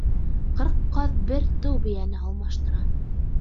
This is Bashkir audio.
Ҡырҡ ҡаҙ бер тыу бейәне алмаштыра.